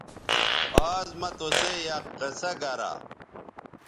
آز مہ تُسئ یک قصہ گرا